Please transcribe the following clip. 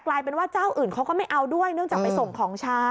กลายเป็นว่าเจ้าอื่นเขาก็ไม่เอาด้วยเนื่องจากไปส่งของช้า